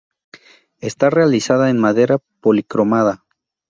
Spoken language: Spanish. Está realizada en madera policromada.